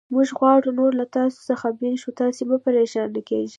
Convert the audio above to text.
موږ غواړو نور له تاسې څخه بېل شو، تاسې مه پرېشانه کېږئ.